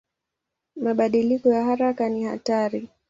Mabadiliko ya haraka ni hatari.